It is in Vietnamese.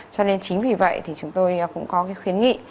cho nên chính vì vậy thì chúng tôi cũng có cái khuyến nghị